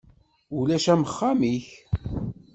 Ulac am uxxam-ik.